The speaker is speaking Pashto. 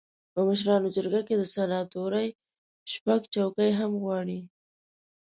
په مشرانو جرګه کې د سناتورۍ شپږ څوکۍ هم غواړي.